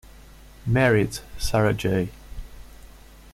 Married Sarah J.